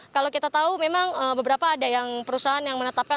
kalau kita tahu memang beberapa ada yang perusahaan yang menetapkan